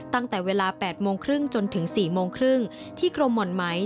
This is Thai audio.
ตั้งแต่เวลา๘๓๐จนถึง๑๖๓๐ที่กรมหม่อนไหม